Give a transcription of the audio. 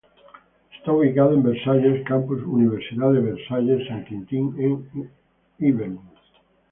Está ubicado en Versalles, campus Universidad de Versailles Saint Quentin en Yvelines.